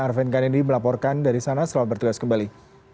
arven kennedy melaporkan dari sana selalu bertugas kembali